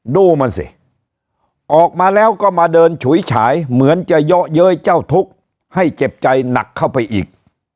ดูมันสิออกมาแล้วก็มาเดินฉุยฉายเหมือนจะเยาะเย้ยเจ้าทุกข์ให้เจ็บใจหนักเข้าไปอีก